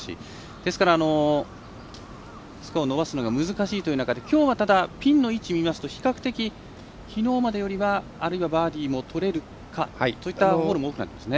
ですから、スコアを伸ばすのが難しいという中できょうは、ただピンの位置見ますと比較的、きのうまでよりはあるいは、バーディーもとれるかそういったホールも多くなってますね。